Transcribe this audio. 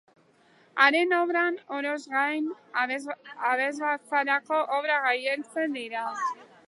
Haren obran, oroz gain, abesbatzarako obrak gailentzen dira.